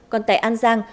còn tại an giang